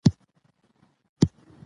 د ستوني وچوالی مه پرېږدئ. لوښي جلا وساتئ.